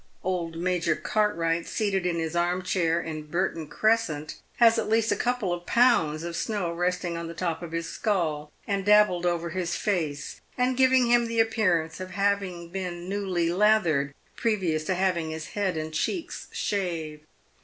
Old Major Cartwright, seated in his arm chair in Burton crescent, has at least a couple of pounds of snow resting on the top of his skull and dabbed over his face, and giving him the appearance of having been newly lathered previous to having his head and cheeks shaved.